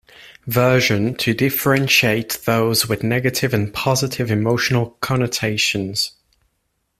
version" to differentiate those with negative and positive emotional connotations.